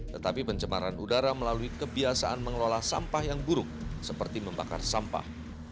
tetapi pencemaran udara melalui kebiasaan mengelola sampah yang buruk seperti membakar sampah